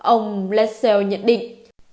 ông lassell nhận định